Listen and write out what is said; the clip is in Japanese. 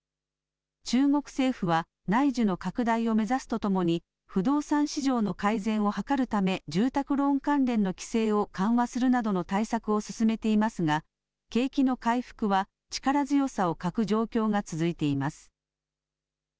中国政府は、内需の拡大を目指すとともに、不動産市場の改善を図るため、住宅ローン関連の規制を緩和するなどの対策を進めていますが、景気の回復は力強さを欠く状況が続いています。